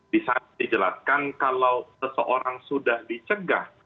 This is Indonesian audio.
di sana dijelaskan kalau seseorang sudah dicegah